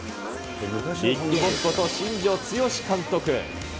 ビッグボスこと新庄剛志監督。